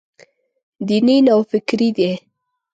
دیني نوفکري دی.